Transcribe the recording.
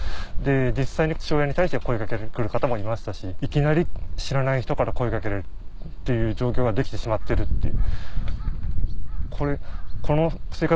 実際に父親に対して声掛けて来る方もいましたしいきなり知らない人から声掛けられるっていう状況が出来てしまってるっていう。